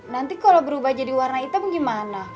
nanti kalau berubah jadi warna hitam gimana